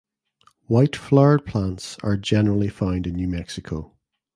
White flowered plants are generally found in New Mexico.